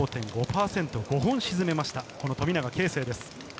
５本を沈めました、富永啓生です。